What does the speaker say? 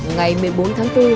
ngày một mươi bốn tháng bốn